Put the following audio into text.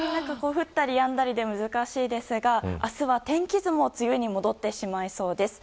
降ったりやんだりで難しいですが明日は天気図も梅雨に戻ってしまいそうです。